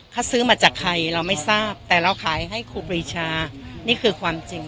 เขาซื้อมาจากใครเราไม่ทราบแต่เราขายให้ครูปรีชานี่คือความจริง